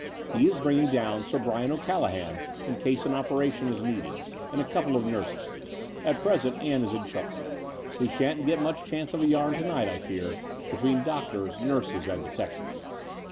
He is bringing down Sir Bryan O'Callaghan in case an operation is needed, and a couple of nurses. At present Ann is in charge. We shan't get much chance of a yam to night, I fear, between doctors, nurses, and detectives."